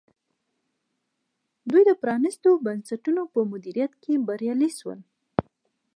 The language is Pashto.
دوی د پرانیستو بنسټونو په مدیریت کې بریالي شول.